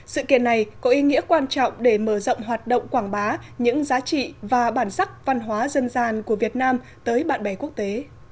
sự kiện này có ý nghĩa quan trọng để mở rộng hoạt động quảng bá những giá trị và bản sắc văn hóa dân gian của việt nam tới bạn bè quốc tế